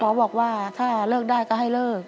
บอกว่าถ้าเลิกได้ก็ให้เลิก